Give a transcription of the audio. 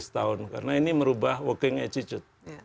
setahun karena ini merubah walking attitude